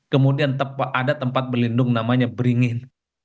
kemudian ada tempat berlindung namanya beringin